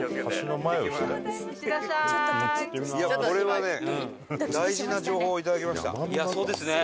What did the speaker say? いやこれはね大事な情報をいただきました。